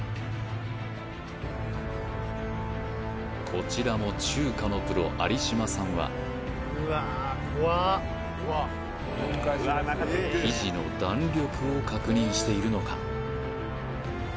こちらも中華のプロ有島さんは生地の弾力を確認しているのか？